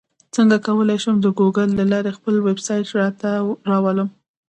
څنګه کولی شم د ګوګل له لارې خپل ویبسایټ راته راولم